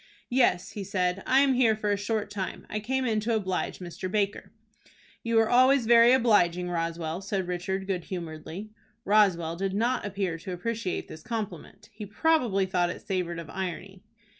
"Yes," he said. "I am here for a short time. I came in to oblige Mr. Baker." "You were always very obliging, Roswell," said Richard, good humoredly. Roswell did not appear to appreciate this compliment. He probably thought it savored of irony.